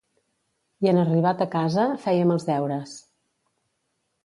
I en arribat a casa, fèiem els deures.